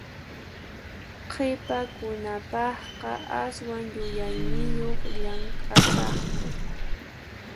Qhipakunapaqqa aswan yuyayniyuq llamk'asaqku.